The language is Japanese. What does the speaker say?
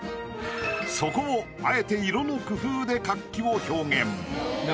そこをあえて色の工夫で活気を表現。